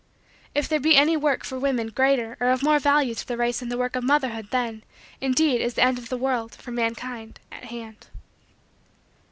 If there be any work for women greater or of more value to the human race than the work of motherhood then, indeed, is the end of the world, for mankind, at hand.